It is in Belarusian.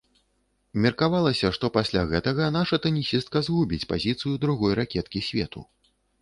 Меркавалася, што пасля гэтага наша тэнісістка згубіць пазіцыю другой ракеткі свету.